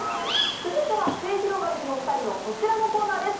続いてはすゑひろがりずのお二人のこちらのコーナーです。